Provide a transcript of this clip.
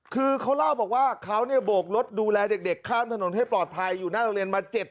คือเขาเล่าบอกว่าเขาเนี่ยโบกรถดูแลเด็กข้ามถนนให้ปลอดภัยอยู่หน้าโรงเรียนมา๗๐